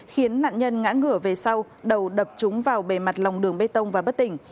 khiến nạn nhân ngã ngửa về sau đầu đập trúng vào bề mặt lòng đường bê tông và bất tỉnh